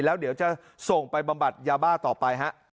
แล้วเดี๋ยวจะส่งไปบำบัดยาบ้าต่อไปครับ